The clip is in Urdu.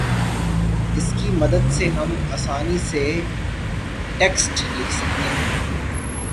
اس کی مدد سے ہم آسانی سے ٹیکسٹ لکھ سکتے ہیں